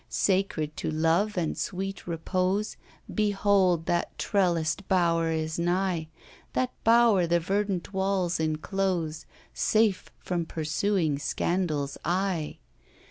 Sacred to love and sweet repose, Behold that trellis'd bower is nigh! That bower the verdant walls enclose, Safe from pursuing Scandal's eye.